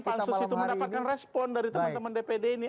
kita harus mendapatkan respon dari teman teman dpr ini